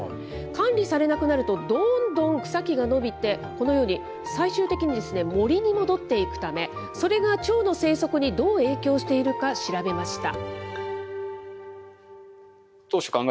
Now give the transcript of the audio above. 管理されなくなると、どんどん草木が伸びて、このように最終的に森に戻っていくため、それがチョウの生息にどう影響しているか、調べました。